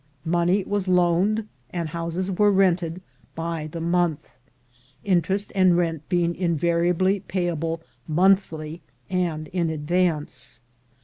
Money was loaned, and houses were rented, by the month; interest and rent being invariably payable monthly and in advance.